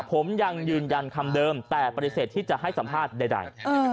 ผมยังยืนยันคำเดิมแต่ปฏิเสธที่จะให้สัมภาษณ์ใด